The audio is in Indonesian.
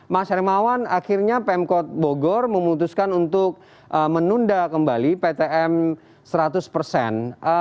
mas hermawan akhirnya pemkot bogor memutuskan untuk menunda kembali ptm seratus persen